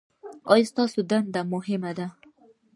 ایا ستاسو دنده مهمه ده؟